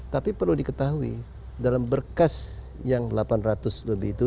tapi perlu diketahui dalam berkas yang delapan ratus lebih itu